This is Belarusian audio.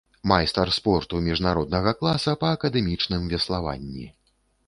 Майстар спорту міжнароднага класа па акадэмічным веславанні.